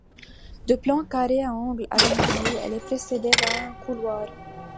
De plan carré à angles arrondis, elle est précédée d'un couloir.